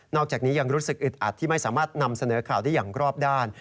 อกจากนี้ยังรู้สึกอึดอัดที่ไม่สามารถนำเสนอข่าวได้อย่างรอบด้าน